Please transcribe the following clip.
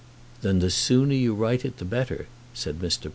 "Then the sooner you write it the better," said Mr. Parker.